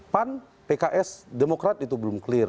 pan pks demokrat itu belum clear